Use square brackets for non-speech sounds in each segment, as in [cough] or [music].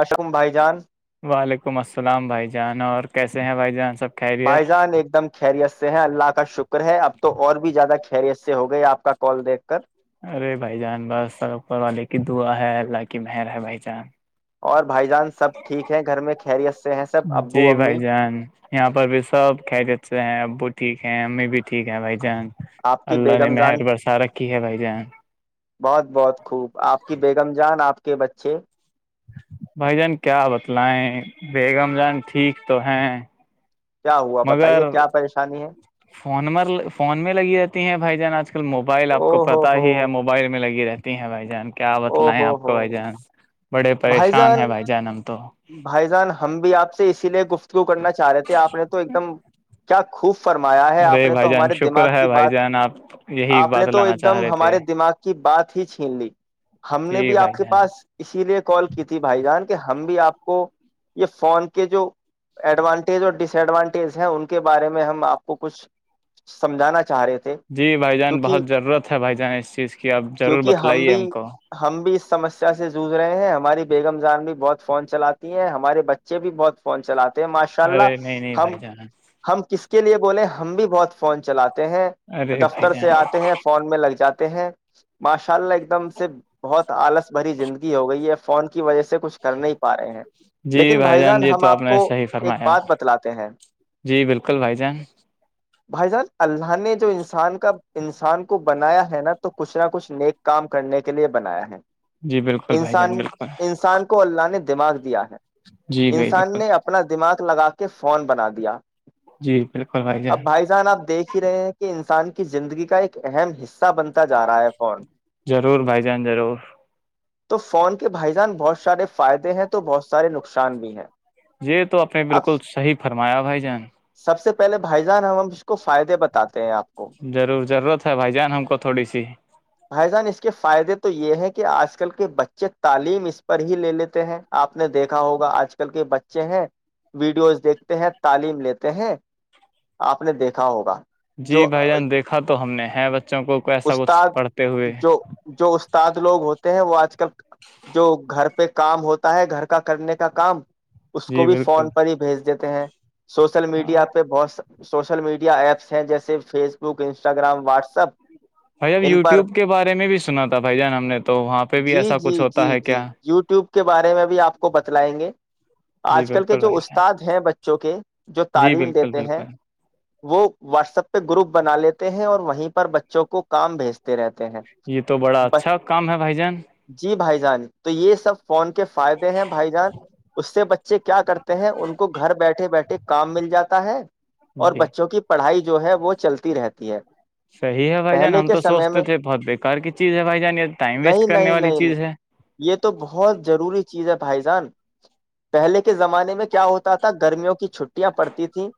اشوم بھائی جان وعلیکم السلام بھائی جان اور کیسے ہیں بھائی جان سب بھائی خیریت جان ایک دم خیریت سے ہیں اللہ کا شکر ہے اب تو اور بھی زیادہ خیریت سے ہو گئی آپ کا کال دیکھ کر ارے بھائی جان بس سر اوپر والے کی دعا ہے اللہ کی مہر ہے بھائی جان اور بھائی جان سب ٹھیک ہے گھر میں خیریت سے ہیں سب جی ابو امی بھائی جان یہاں پر بھی سب کتے اے ہیں اب ٹھیک ہے امی بھی ٹھیک ہیں بھائی جانگ آپ کی بیگم جان ہے بھائی جان بہت بہت خوب آپ کی بیگم جان آپ کی کے بچے بھائی جان کیا بتلائیں بیگم جان ٹھیک تو ہیں کیا ہوا بتائیے مگر کیا پریشانی ہے فون فون میں لگی رہتی ہیں بھائی جان آج کل موبائل آپ او کو ہو پتا ہو ہی ہے موبائل میں لگی رہے ہیں بھائی جان کے کیا او بتلائیں ہو آپ کو بھائی ہو جان بڑے بھائی پریشان جان ہیں بھائی جان ہم تو بھائی جان ہم بھی آپ سے اسی لیے گفت [unintelligible] شرو کرنا چاہ رہے تھے آپ نے تو ایک دم کیا خوب فرمایا ہے آپ ارے نے بھائی تو جان ہمارے شکر دماغ ہے کی بھائی بات جان آپ یہی آپ نے بات تو لانا ایک چاہ دم رہے تھے ہمارے دماغ کی بات ھیچ ہندی [unintelligible] ہم نے جی بھی آپ بھائی کے جان پاس اسی لیے کی ت بھائی جان کے ہم بھی آپ کو یہ فون کے جو ایڈوانٹیج اور ڈس ایڈوانٹیج ہیں ان کے بارے میں ہم آپ کو کچھ سمجھانا چاہ رہے تھے جی بھائی جان کیونکہ بہت ضرورت ہے بھائی جان اس چیز کی آپ ضرور کیونکہ بتلائیے بھی ہم کو ہم بھی اس سمسیا سے جھ رہے ہیں ہم ہماری بیگمزان بھی بہت فون چلاتی ہیں ہمارے بچے بھی بہت فون چلاتے ماشاء ارے نہیں نہیں اللہ بھائی ہم جان ہم کس کے لیے بولے ہم بھی بہت فون چلاتے ہیں ارے بھائی دفتر سے جان آتے ہیں فون میں لگ جاتے ہیں باش چل ایک دم سے بہت تو آلس بھری زندگی ہو گئی ہے فون کی وجہ سے کچھ کر نہیں پا رہے ہیں جی لیکن بھائی جان یہ ہم تو آپ نے کو صحیح ایک فرمایا بات بتلاتے ہیں جی بالکل بھائی جان بھیجاں اللہ نے جو انسان کا انسان کو بنایا ہے نا تو کچھ نہ کچھ نیک کام کرنے کے لیے بنایا ہے جی بالکل بھائی جان انسان بالکل انسان کو اللہ نے دماغ دیا ہے جی بھائی انسان بالکل نے اپنا دماغ لگا کر کے فون بنا دیا اب بھائی جان آپ دیکھ ہی رہے ہیں یہ انسان کی زندگی کا ایک اہم حصہ بنتا جا رہا ہے فون ضرور بھائی جان ضرور تو فون پہ کہ بھائی جان بہت سارے فائدے ہیں تو بہت سارے نقصان بھی ہیں یہ تو آپ نے اب بالکل صحیح فرمایا بھائی جان سب سے پہلے بھائی جان ہم اس کو فائدے بتے ہیں آپ کو ضرور ضرورت ہے بھائی جان ہم کو تھوڑی سی بھائی جان اس کے فائدے تو یہ ہے کہ آج کل کے بچے تعلیم اس پر ہی لے لیتے ہیں آپ نے دیکھا ہوگا آج کل کے بچے ہیں ویڈیوز دیکھتے ہیں تعلیم لیتے ہیں آپ نے دیکھا ہوگا جی جو بھائی جان دیکھا تو ہم نے ہے بچوں کو ایسا کچھ پڑھتے ہوئے سد لوگ ہوتے ہیں وہ آج کل جو گھر پہ کام ہوتا ہے گھر کا کرنے کا کام اس کو جی بھی بالکل فون پر ہی بھیج دیتا [unintelligible] سوشل ہاں میڈیا پہ بہت سوشل میڈیا ایپس ہیں جیسے فیس بک انسٹاگرام واٹسپ بھ اب یوٹیوب کے بارے میں بھی سنا تھا بھائی جان ہم نے تو وہاں پہ بھی جی ایسا کچھ جی ہوتا جی ہے جی کیا یو ٹیوب کے بارے میں بھی آپ کو بتلائیں گے جی آج کل کے بالکل جو بھائی جان استاد ہیں بچوں کے جو جی تعلیم بالکل دیتے ہیں بالکل وہ واٹسپ پہ گروپ بنانے لیتے ہیں اور وہیں پر بچوں کو کام بھیجتے رہتے ہیں یہ تو بڑا اچھا کام ہے بھائی جان جانی تو یہ سب فون کے فائدے ہیں بھائی جان اس سے بچ سے کیا کرتے ہیں ان کو گھر بیٹھے بیٹھے کام مل جاتا تا ہے اور جی بچوں کی پڑھائی جو ہے وہ چلتی رہتی ہے صحیح ہے بھائی جان پہلے ہم کے تو سمے میں سوچتے تھے بہت بےیکار کی چیز ہے بھائی جان یہ ٹائم ویسٹ نہیں کرنے نہیں والی نہیں نہیں چیز ہے یہ تو بہت ضروری چیز ہے بھائی جان پہلے کے زمانے میں کیا ہوتا تھا گرمیوں کے ک چھوٹی یاں پڑتی تھیں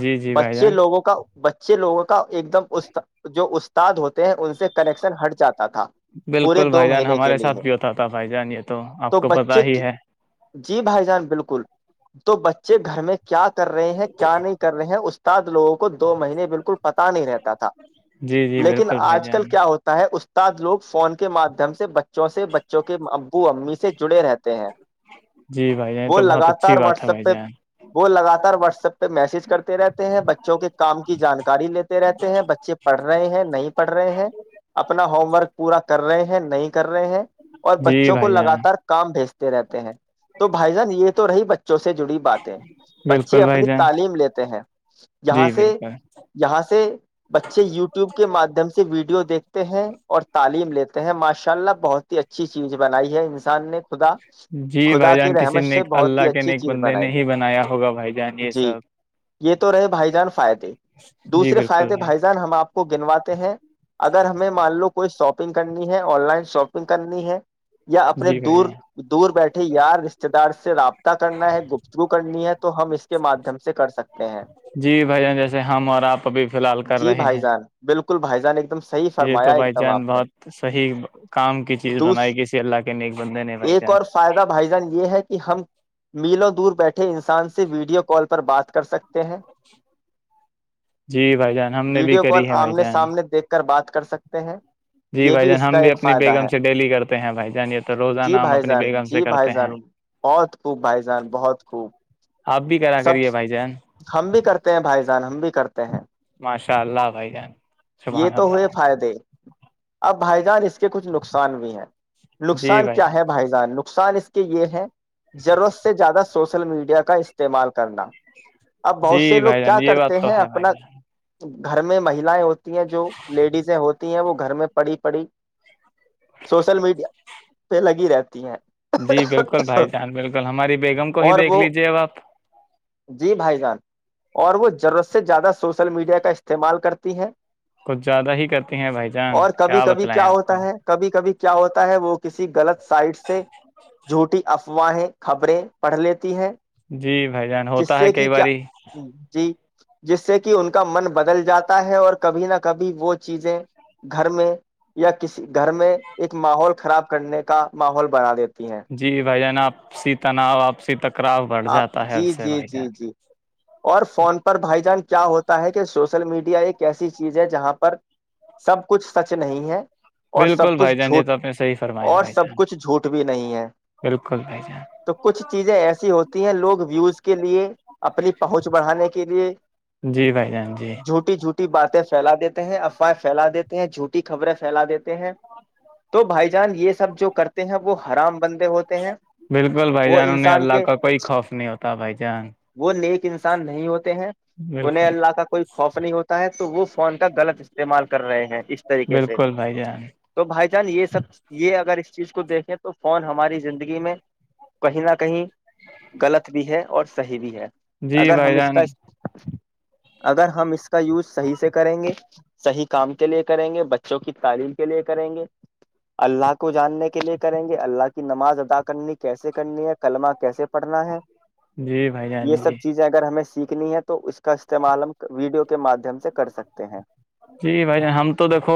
جی جی بھائی بچے جان لوگوں کا بچے لوگوں کا ایک دم اس جو استاد ہوتے ہیں ان سے کنیکشن ہٹ جاتا تھا پورے بالکل دو بھائی جان مہینے کے ہمارے ساتھ لیے بھی ہوتا تھا بھائی جان یہ تو آپ کو بچے پتا ہی ہے جی بھائی جان بالکل [unintelligible] تو بچے گھر میں کیا [inaudible] کر رہے ہیں کیا نہیں کر رہے ہیں اس کے [inaudible] لووں کو دو مہینے بالکل [unintelligible] پتا نہیں رہتا تھا جی جی لیکن بالکل بھائی آج کل جان کیا ہوتا ہے اس [inaudible] لوگ فون کے مادھیم سے بچوں سے بچے [unintelligible] جو کہ ابو امی سے جڑے رہتے [unintelligible] ہیں جی بھائی جان یہ وہ تو بہت لگاتار اچھی بات ہے واٹس بھائی ایپ پہ جان وہ لگاتار واٹسپ [unintelligible] میسج کرتے رہتے ہیں بچوں کے کام کی جانکاری لیتے رہتے ہیں بچے پڑھ رہے ہیں نہیں پڑھ رہے ہیں اپنا ہوم ورک [unintelligible] پورا کر رہے ہیں نہیں کر رہے ہیں [unintelligible] اور جی بچوں کو بھائی جان لگاتار کام بھیجتے [unintelligible] رہتے ہیں تو بھائی جان یہ تو رہی بچ [unintelligible] وں سے جڑی باتیں بچے بالکل بھائی اپنی جان تعلیم لیتے ہیں یہاں جی سے بالکل یہاں سے بچے یوٹیوب کے مادھیم سے ویڈیو دیکتے ہیں اور تعلیم لیتے ہیں ماشاء اللہ بہت ہی اچھا [inaudible] اچھی چیز بنائی ہے انسان نے خدا جی خدا بھائی کی جان کسی رحمت نے سے ایک بہت اللہ ہی کے نے اچھی ایک چیز بندے نے بنائی ہی بنایا ہوگا بھائی جان ہے یہ جی سب یہ تو رہے بھائی جان فائد [unintelligible] جی دوسرے بالکل فائدے بھائی جان ہم آپ کو گنواتے ہیں اگر ہمیں مان لو کہ کوئی شاپنگ کرنی ہے آن لائن شاپنگ [unintelligible] کرنی ہے [unintelligible] یا اپنے جی بھائی دور جان دور بیٹھے یار رشتے دار سے رابطہ کرنا ہے گفتگو کرنی ہے تو ہم اس کے مادھیم سے کر سکتے ہیں جی بھائی جان جیسے ہم اور آپ ابھی فی الحال کر جی رہے بھائی ہیں جان بالکل ل بھائی جان ایک دم [unintelligible] یہ تو ایک بائی دم چانس آپ نے بہت صحیح کام کی چیز دوس بنائی کسی اللہ کے نیک بندے نے بھائی ایک اور چان فائدہ بھائی جان یہ ہے کہ ہم میلوں دور بیٹھے انسان سے ویڈیو کال پر بات کر سکتے ہیں جی بھائی جان ہم نے بھی ویڈیو کال کری ہے بھائی آمنے جان سامنے دیکھ کر بات کر سکتے ہیں جی یہ بھائی بھی جان اس کا ہم ایک اپنی فائدہ بیگم ہے سے ڈیلی کرتے ہیں بھائی جان یہ تو روزانہ جی ہم بھائی اپنی جان بیگم سے جی بھائی کرتے جان ہیں بہت خوب بھائی جان بہت خوب آپ بھی کرا سب کریے بھائی جان ہم بھی کرتے ہیں بھائی جان ہم بھی کرتے ہیں ماشاء اللہ بھائی جان یہ سبحان تو ہوئے اللہ فائدے اب بھائی جان کچھ نقصان بھی ہیں نقصان کیا ہے بھائی جان نقص قصان اس کے یہ ہے ضرورت سے زیادہ سوشل میڈیا کا اس استعمال کرنا اب بہت سے جی لوگ بھائی کیا جان یہ بات کرتے تو ہیں ہے بھائی اپنا جان گھر میں مہییں ہوتی ہیں جو لیڈیزیں ہوتی ہیں وہ گھر میں پڑھی پڑھی سوشل میڈیا پہ لگی رہتی ہیں جی بالکل بھائی جان بالکل ہماری بیگم کو ہی اور دیکھ وہ لیجیے اب آپ جی بھائی جان اور وہ ضرورت سے زیادہ سوشل میڈیا کا استعمال کرتی ہیں کچھ زیادہ ہی کرتی ہیں بھائی جان اور کبھی کیا کبھی بتلیں آپ ہوتا کو ہے کبھی کبھی کیا ہوتا ہے وہ کسی غلط سائٹ سے جھوٹی افواہیں خبریں پڑھ لیتی ہیں جی بھائی جان جس ہوتا ہے سے کہ کئی کیا باری جی جس سے کہ ان کا من بدل جاتا ہے اور کبھی نہ کبھی وہ چیزیں گھر میں یا کسی گھر میں ایک ماحول خراب کرنے کا ماحول بنا دیتا جی بھائی جانا آپ آپسی تناؤ آپسی تک آپ جی جی جی جی اور فون پر بھائی جان کیا ہوتا ہے کہ سوشل میڈیا ایک ایسی چیز ہے جہاں پر سب کچھ سچ نہیں ہے اور سب بالکل کچھ بھائی جان یہ جھوٹ تو آپ نے صحیح فرمایا اور بھائی سب جان کچھ جھوٹ بھی نہیں ہے بالکل بھائی جان تو کچھ چیزیں ایسی ہوتی لوگ ویوز کے لیے اپنی پہنچ بڑھانے کے لیے جی بھائی جان جی جھوٹی جھوٹی جھٹی باتیں پھیلا دیتے ہیں افواہ فھیلا دیتے ہیں جھوٹی خبریں پھیلا دیتے ہیں تو بھائی جان یہ سب جو کرتے ہیں وہ ہرام بندے ہوتے ہیں بالکل بھائی وہ جان انہیں انسان اللہ کے کا کوئی خوف نہیں ہوتا بھائی جان ایکیک انسان نہیں ہوتا ہیں انہیں بالکل اللہ کا کوئی خوف نہیں ہوتا ہے تو تو وہ فون غلط استعمال کر رہے ہیں اس طریقے سے بالکل بھائی جان تو بھائی چان یہ سب یہ اگر اس چیز کو دیکھیں تو فون ہماری زندگی میں کہیں نہ کہیں غلط بھی ہے اور صحیح بھی ہے جی اگر ہم بھائی اس کا جان اگر ہم اس کا یوز صحیح سے کریں گے صحی کام کے لیے کریں گے بچوں کی تعلیم کے لیے کریں گے اللہ کو جاننے کے لیے کریں گے اللہ کی نماز ادا کرنی کیسے کرنی ہے کلمہ کیسے پڑھنا ہے جی بھائی جان یہ سب جی چیزیں اگر ہمیں سیکھ نہیں ہے تو اس کے کا استعمال ہم ویڈیو مادھیم سے کر سکتے ہیں جی بھائی ج ہم تو دیکھو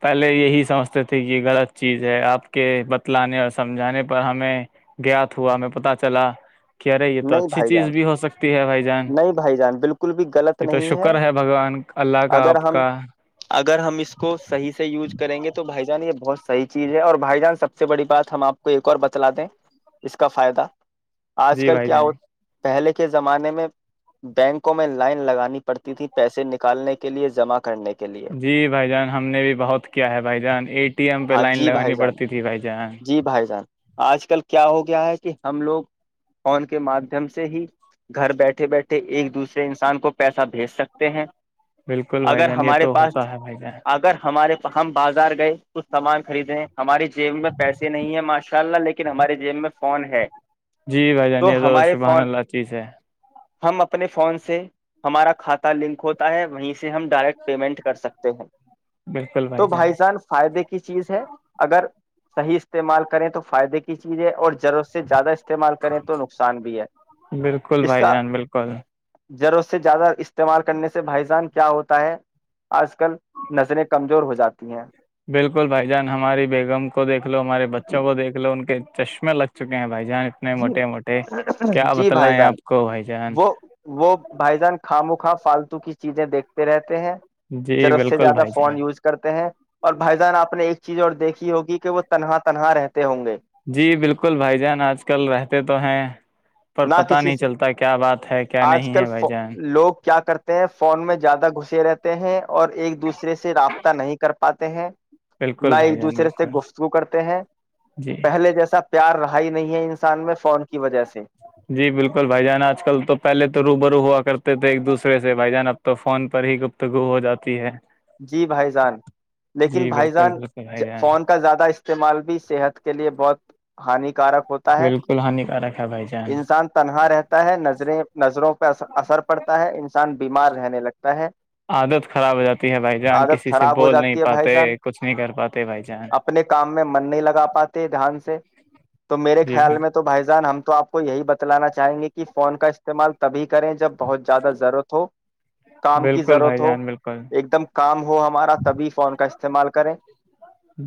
پہلے یہی سمجھ یہ غلط چیز ہے آپ کے بتلانے اور سمجھانے پر ہمیں جات ہوا ہمیں پت چلا کہہ رہے یہ تو نہیں اچھی بھائی چیز جان بھی ہو سکتی ہے بھائی جان نہیں بھائی جان بالکل بھی غلط یہ تو نہیں ہے شکر بھگوان اللہ کا اگر آپ ہم کا اگر ہم اس کو صحیح سے یوز کریں گے تو بھائی جان یہ ب بہت صحیح چیز ہے اور بھائی جان سب سے بڑی بات ہم آپ کو ایک اور بتلا دیں اس کا فائدہ آج کل کیا جیں ہو پہلے کے زمانے میں بینکوں میں لائن لگانی پڑتی تھی پیسے نکالنے کے لیے جمع کرنے کے لیے جی بھائی جان ہم نے بھی بہت کیا ہے بھائی جان اٹی ایم پہ ہاں لائن جی لگانی بھائی جان پڑتی تھی بھائی جان جی بھائی سان آج کل کیا ہو گیا ہے کہ ہم لوگ فون کے مادھیم سے ہی گھر بیٹھے بیٹھے ایک دوسرے انسان کو پیسہ بھیج سکتے ہیں بالکل بھائی اگر جان یہ ہمارے تو پاس ہوتا ہے بھائی جان اگر ہمارےا ہم بازار گئے کچھ سامان خریدیں ہماری جیب میں نہیں ہے ماشاء اللہ لیکن ہمارے جیب میں فون ہے جی بھائی جان یہ تو ہمارے شبحان فون اللہ چیز ہے ہم اپنے فون سے ہمارا کھاتا لنک ہوتا ہے وہیں سے ہم ڈائریکٹ پیمنٹ کر سکتے ہیں تو بھائی جان فائدے کی چیز ہے اگر صحی استعمال کریں تو فائدے کے چیزیں اور ضرورت سے زیادہ استعمال کریں تو نقصان بھی ہے بالکل اس بھائی کا جان بالکل جروں سے زیادہ استعمال کرنے سے بھائی جان کیا ہوتا ہے آج کل نظریں کمزور ہو جاتی ہیں بالکل بھائی جان ہماری ب م کویکھ لو ہمارے بچوں کو دیک لو ان کے چشمے لگ چک ہیں بائی جی جی بھائی بتلائیں جان آپ کو بھائی جان وہ وہ بھائی جان خاموخو فالتو [unintelligible] توک [unintelligible] چیزیں دیکھتے رہتے ہیں جی رت سے بالکل زیادہ بھائی فون جان یوز کرتے ہیں اور بھائی جان آپ نے ایک [unintelligible] چیز اور دیکھی ہوگی کہ وہ تنہا تنہا رہتے ہوں گے جی بالکل بھائی جان آج کل رہتے تے تو ہیں [unintelligible] نہ پتہ کسی نہیں سے چلتا کیا بات ہے کیا آج نہیں کل ہے ف بھائی جان لوگ کیا کرتے ہیں فون میں زیادہ گھسے رہتے ہیں اور ایک دوسرے سے رابطہ نہیں کر پاتے ہیں [unintelligible] نہ بالکل بھائی ایک جان دوسرے سے بالکل گفتگو کرتے ہیں جی پہلے جیسا پیار رہا ہی نہیں ہے انسان میں فون کی وجہ سے جی بالکل بھائی جان آج کل تو پہلے تو رو برو ہوا کرتے تھے ایک دوسرے سے بھائی جان اب تو فون پر ہی گفتگو ہو جاتی ہے جی بھائی جان لیکن جی بھائی بالکل جان بالکل بھائی جان فون کا زیادہ استعمال بھی صحت کے لیے بہت ہانی کارک ہوتا ہے بالکل ہانیکارک ہے بھائی جان انسان تنہا رہتا ہے نظریں نظروں پہ اثر پڑتا ہے انسان بیمار رہنے لگتا ہے عادت خراب ہو جاتی ہے بھائی جان عادت کسی سے خراب ہو بول نہیں جاتی ہے بھائی پاتے جان کچھ نہیں کر پاتے بھائی جان دان سے تو میرے جی خیال میں بالکل تو بھائی جان ہم تو آپ کو یہی بتا لانا [unintelligible] چاہیں گے کہ فون کا استعمال تبھی کریں جب بہت زیادہ ضرورت ہو کام کی بالکل بھائی ضرورت ہو جان بالکل کام ہو ہمارا تبھی فارم کا استعمال کریں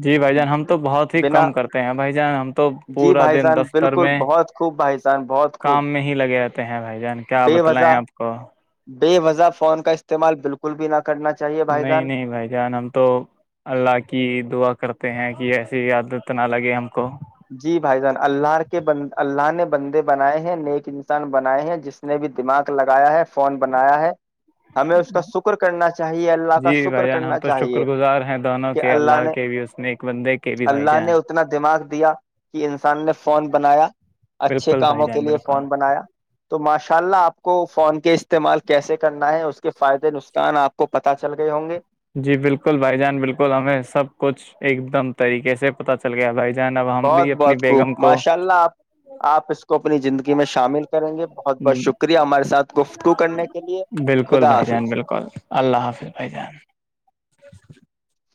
جی بھائی جان ہم تو بہت ہی بنا کم کرتے ہیں بھائی جان ہم تو جی پورا بھائی دن جان دفتر بالکل میں بہت خوب بھائی جان بہت خوب کام میں ہی لگےتے کہ بھائی [unintelligible] کیا بے بتلیں وجہ آپ کو بے وضہ فون کا استعمال بالکل بھی نہ کرنا چاہیے بھائی جان نہیں نہیں بھائی جان ہم تو اللہ کی دعا کرتے ہیں کہ ایسا جی عادت نہ لگے ہم کو جی بھائی جان اللہ کے بند اللہ نے بندے بنائے ہیں نیک انسان بنائے ہیں جس نے بھی دماغ لگایا ہے فون بنایا ہے ہمیں اس کا شکر کرنا چاہیے اللہ کا جی شکر بھائی جان ہم کرنا تو شکر چاہیے گزار ہیں دونوں کہ کے اللہ نے کے بھی اس نیک بندے کے بھی بھائی اللہ نے جان اتنا دماغ دیا کہ انسان نے فون بنایا اچھے بالکل بھائی کاموں کے جان لیے بالکل فون بنایا تو ماشا ان شاء اللہ آپ کو فون کے استعمال کیسے کرنا ہے اس کے فائدے نقصان آپ کو پتہ چل گئے ہوں گے جی بالکل بھائی جان بالکل ہمیں سب کچھ ایک دم طریقے سے پتا چل گیا بھائی جان اب ہم بہت بھی اپنی بہت خوب بیگم کو ماشاء اللہ آپ آپ اس کو اپنی زندگی میں شامل کریں گے بہت بہت شکریہ ہمارے ساتھ گفتگو کرنے کے لیے بالکل خدا بھائی جان حافظ بالکل اللہ حافظ بھائی [unintelligible]